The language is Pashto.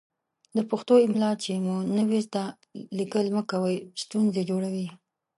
د پښتو املا چې مو نه وي ذده، ليکل مه کوئ ستونزې جوړوي.